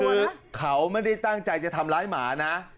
คือเขาไม่ได้ตั้งใจจะทำร้ายหมานะ